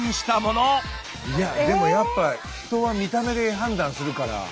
でもやっぱ人は見た目で判断するから。